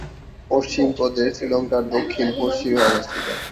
পশ্চিম প্রদেশ শ্রীলংকার দক্ষিণ-পশ্চিমে অবস্থিত।